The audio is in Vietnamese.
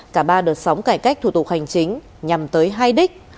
cả ba đợt sóng cải cách thủ tục hành chính nhằm tới hai đích